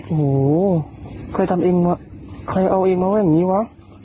โอ้โหเคยทำเองวะเคยเอาเองมาไว้อย่างนี้วะ